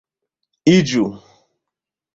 iĝu